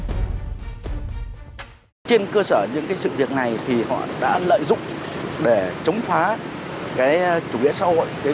trên cơ sở những sự việc này thì họ đã lợi dụng để chống phá chủ nghĩa xã hội